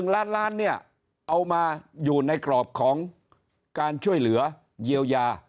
๑ล้านล้านเนี่ยเอามาอยู่ในกรอบของการช่วยเหลือเยียวยา